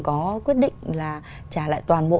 có quyết định là trả lại toàn bộ